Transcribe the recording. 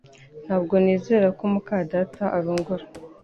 Ntabwo nizera ko muka data arongora